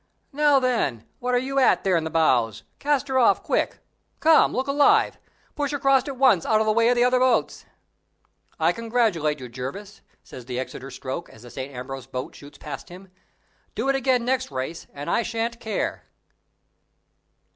"Now, then, what are you at there in the bows? Cast her off, quick. Come, look alive! Push across at once out of the way of the other boats." "I congratulate you, Jervis," says the Exeter stroke, as the St. Ambrose boat shoots past him. "Do it again next race and I shan't care."